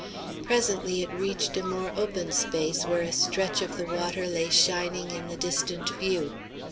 Presently it reached a more open space where a stretch of the water lay shining in the distant view.